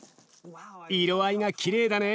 色合いがきれいだね。